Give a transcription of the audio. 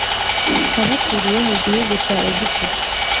wabakuriye mu gihugu cya Egiputa